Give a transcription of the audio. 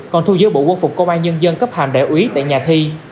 còn thu giữ bộ quân phục công an nhân dân cấp hàm đại úy tại nhà thi